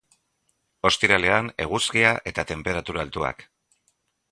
Ostiralean eguzkia eta tenperatura altuak.